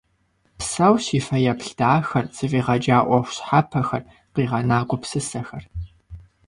Псэущ и фэеплъ дахэр, зэфӏигъэкӏа ӏуэху щхьэпэхэр, къигъэна гупсысэхэр.